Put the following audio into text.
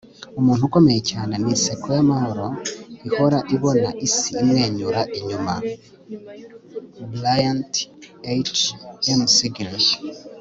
umuntu ukomeye cyane ni inseko y'amahoro, ihora ibona isi imwenyura inyuma. - bryant h. mcgill